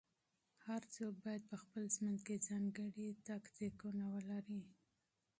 هر څوک بايد په خپل ژوند کې ځانګړي تاکتيکونه ولري.